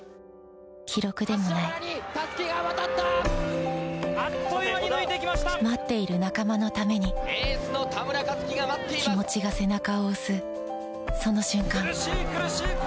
記録でもない待っている仲間のために気持ちが背中を押すその瞬間